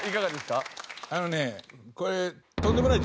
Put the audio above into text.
あのねこれ。